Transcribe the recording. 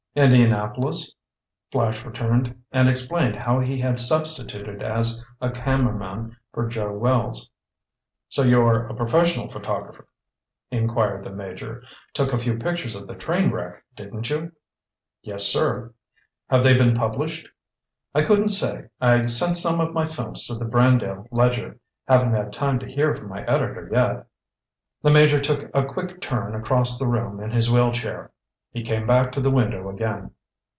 "Indianapolis," Flash returned, and explained how he had substituted as a cameraman for Joe Wells. "So you're a professional photographer?" inquired the Major. "Took a few pictures of the train wreck, didn't you?" "Yes, sir." "Have they been published?" "I couldn't say. I sent some of my films to the Brandale Ledger. Haven't had time to hear from my editor yet." The Major took a quick turn across the room in his wheel chair. He came back to the window again.